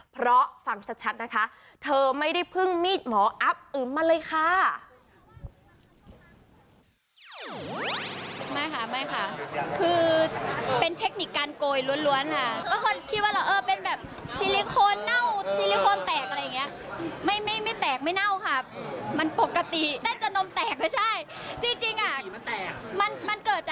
เพราะฟังชัดนะคะเธอไม่ได้พึ่งมีดหมออัพอึมมาเลยค่ะ